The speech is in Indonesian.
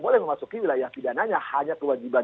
boleh memasuki wilayah pidananya hanya kewajiban